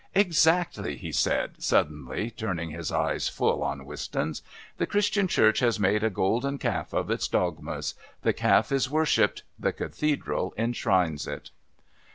"Exactly!" he said, suddenly turning his eyes full on Wistons. "The Christian Church has made a golden calf of its dogmas. The Calf is worshipped, the Cathedral enshrines it."